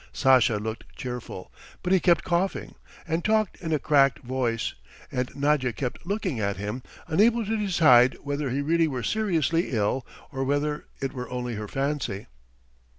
Sasha looked cheerful, but he kept coughing, and talked in a cracked voice, and Nadya kept looking at him, unable to decide whether he really were seriously ill or whether it were only her fancy.